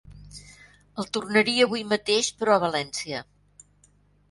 El tornaria avui mateix però a València.